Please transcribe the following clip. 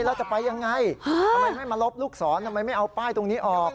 แล้วจะไปยังไงทำไมไม่มาลบลูกศรทำไมไม่เอาป้ายตรงนี้ออก